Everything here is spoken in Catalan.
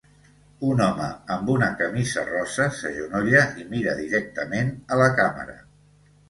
Un home amb una camisa rosa s'agenolla i mira directament a la càmera.